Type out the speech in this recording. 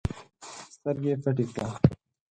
سترګي پټي کړه!